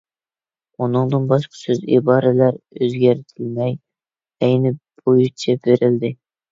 ئۇنىڭدىن باشقا سۆز-ئىبارىلەر ئۆزگەرتىلمەي، ئەينى بويىچە بېرىلدى.